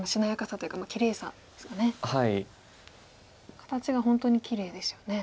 形が本当にきれいですよね。